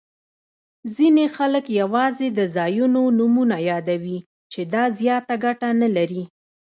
ځیني خلګ یوازي د ځایونو نومونه یادوي، چي دا زیاته ګټه نلري.